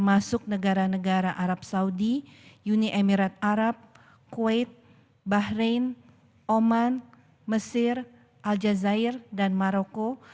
masuk negara negara arab saudi uni emirat arab kuwait bahrain oman mesir al jazair dan maroko